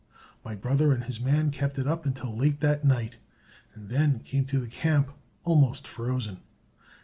My brother and his man kept it up until late that night, and then came to the camp almost frozen.